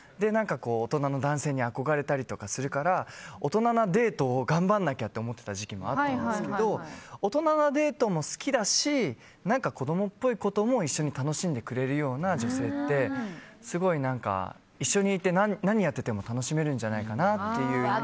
大人の男性に憧れたりとかするから大人なデートを頑張らなきゃと思ってた時期もあったんですけど大人なデートも好きだし子供っぽいことも一緒に楽しんでくれるような女性ってすごい一緒にいて何やってても楽しめるんじゃないかなって。